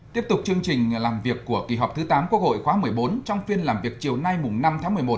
tiếp tục chương trình làm việc của kỳ họp thứ tám quốc hội khóa một mươi bốn trong phiên làm việc chiều nay năm tháng một mươi một